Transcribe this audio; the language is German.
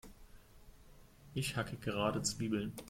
Ich hacke gerade Zwiebeln.